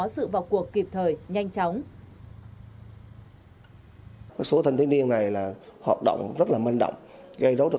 sự vào cuộc kịp thời nhanh chóng